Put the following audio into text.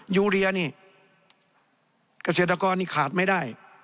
อยู่เรียนี่กระเศรษฐกรนี่ขาดไม่ได้